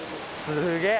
すげえ！